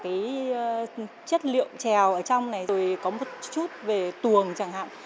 cái chất liệu trèo ở trong này rồi có một chút về tuồng chẳng hạn